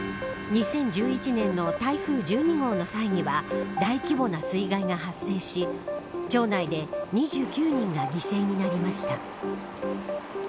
２０１１年の台風１２号の際には大規模な水害が発生し町内で２９人が犠牲になりました。